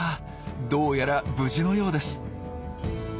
どうやら無事のようです。